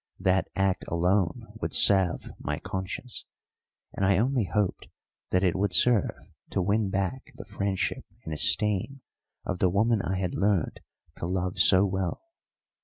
That act alone would salve my conscience, and I only hoped that it would serve to win back the friendship and esteem of the woman I had learned to love so well.